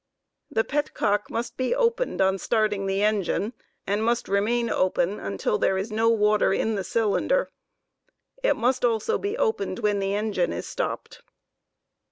The pet cock 36 must be opened on storting the engine, and must remain open until there is no water in the cylinder. It must also be opened when the engine is stopped.